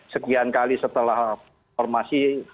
sekian kali setelah formasi